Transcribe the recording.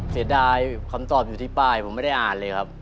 เสียดายคำตอบอยู่ที่ป้ายผมไม่ได้อ่านเลยครับ